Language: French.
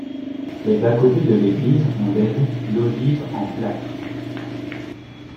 Les bas-côtés de l'église ont des voûtes d'ogive en plâtre.